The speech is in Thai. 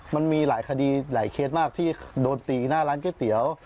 มันมีหลายคดีหลายเคสมากที่โดนตีหน้าร้านก๋วยเตี๋ยว